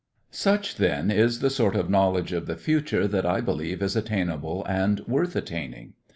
Such, then, is the sort of knowledge of the future that I believe is attainable and worth attaining.